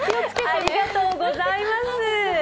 ありがとうございます。